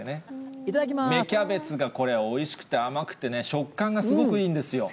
芽キャベツがこれ、おいしくて甘くてね、食感がすごくいいんですよ。